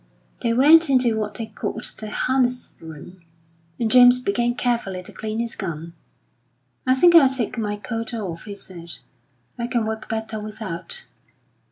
They went into what they called the harness room, and James began carefully to clean his gun. "I think I'll take my coat off," he said; "I can work better without."